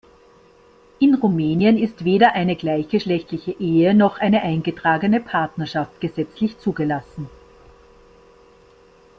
In Rumänien ist weder eine gleichgeschlechtliche Ehe noch eine eingetragene Partnerschaft gesetzlich zugelassen.